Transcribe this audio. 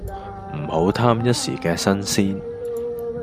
唔好貪一時既新鮮